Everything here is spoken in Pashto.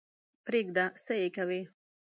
پرېږده څه یې کوې.